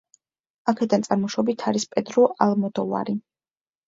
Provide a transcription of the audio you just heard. აქედან წარმოშობით არის პედრო ალმოდოვარი.